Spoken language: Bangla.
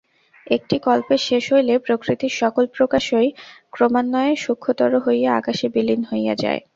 একটি কল্পের শেষ হইলে প্রকৃতির সকল প্রকাশই ক্রমান্বয়ে সূক্ষ্মতর হইয়া আকাশে বিলীন হইয়া যায়।